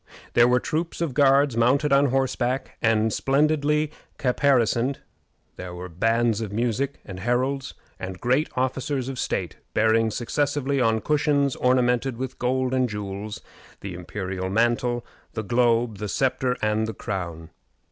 There were troops of guards mounted on horseback and splendidly caparisoned there were bands of music, and heralds, and great officers of state, bearing successively, on cushions ornamented with gold and jewels, the imperial mantle, the globe, the sceptre, and the crown.